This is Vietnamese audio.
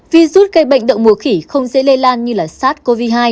virus gây bệnh đậu mùa khỉ không dễ lây lan như sars cov hai